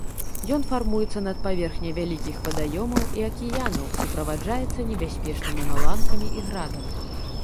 Ён фармуецца над паверхняй вялікіх вадаёмаў і акіянаў, суправаджаецца небяспечнымі маланкамі і градам.